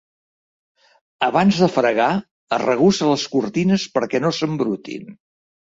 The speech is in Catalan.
Abans de fregar, arregussa les cortines perquè no s'embrutin.